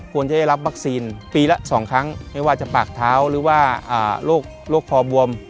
ควรจะได้รับวัคซีนปีละ๒ครั้งไม่ว่าจะปากเท้าหรือว่าโรคคอบวม